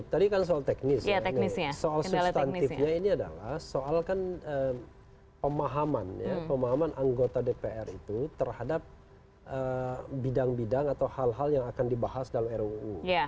tadi kan soal teknis ya soal substantifnya ini adalah soal kan pemahaman ya pemahaman anggota dpr itu terhadap bidang bidang atau hal hal yang akan dibahas dalam ruu